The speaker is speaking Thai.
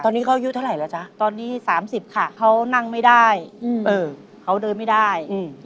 โอกาสที่จะรอดอ่ะแค่หนึ่งเปอร์เซ็นต์อ่ะมวล